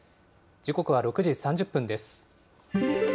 時刻は６時３０分です。